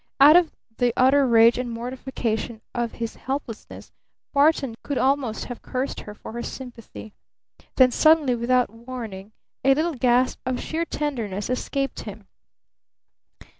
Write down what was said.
Out of the utter rage and mortification of his helplessness Barton could almost have cursed her for her sympathy. Then suddenly, without warning, a little gasp of sheer tenderness escaped him.